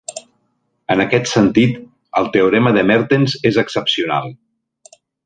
En aquest sentit, el teorema de Mertens és excepcional.